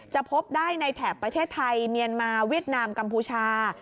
พบได้ในแถบประเทศไทยเมียนมาเวียดนามกัมพูชา